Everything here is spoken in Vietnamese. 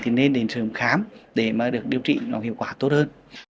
thì nên đến sử dụng khám để mà được điều trị nó hiệu quả tốt hơn